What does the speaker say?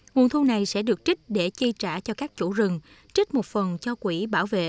nguồn thu này sẽ được trích để chi trả cho các chủ rừng trích một phần cho quỹ bảo vệ